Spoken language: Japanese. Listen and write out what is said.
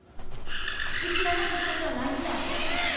うちらも引っ越しは難儀なわけ。